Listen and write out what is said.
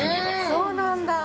そうなんだ。